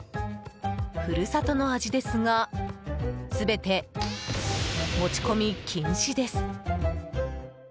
故郷の味ですが全て持ち込み禁止です。